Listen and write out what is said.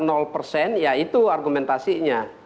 nol persen ya itu argumentasinya